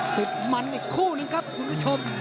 สิบมันอีกคู่นึงครับคุณผู้ชม